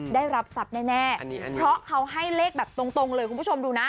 ได้รับทรัพย์แน่เพราะเขาให้เลขแบบตรงเลยคุณผู้ชมดูนะ